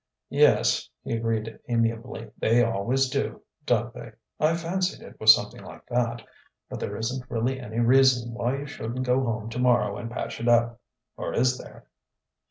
"Yes," he agreed amiably; "they always do don't they? I fancied it was something like that. But there isn't really any reason why you shouldn't go home tomorrow and patch it up or is there?"